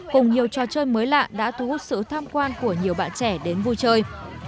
cùng nhiều trò chơi mới lạ đã thu hút sự tham quan của nhiều bạn trẻ đến vui chơi